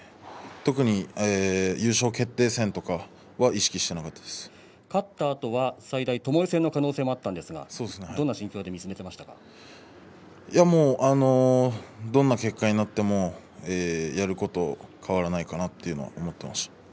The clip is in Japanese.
特に優勝決定戦とかは勝ったあとは最大ともえ戦の可能性もあったんですがどんな結果になってもやることは変わらないかなって思ってました。